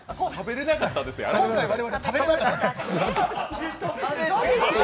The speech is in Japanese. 今回、我々は食べれなかったと。